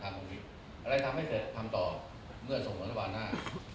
อะไรทำให้เกิดทำต่อเมื่อส่งร้องกระวานหน้า